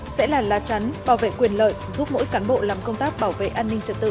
sẽ là la chắn bảo vệ quyền lợi giúp mỗi cán bộ làm công tác bảo vệ an ninh trật tự